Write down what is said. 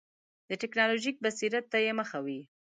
د ټکنالوژیک بصیرت ته یې مخه وي.